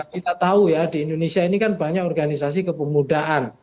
kita tahu ya di indonesia ini kan banyak organisasi kepemudaan